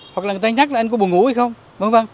hoặc là người ta nhắc là anh có buồn ngủ hay không v v